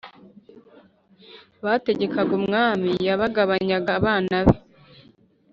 bategekaga umwami yagabanyaga abana be